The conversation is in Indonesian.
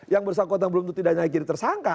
yang bersangkutan belum tuti dan nyai kiri tersangka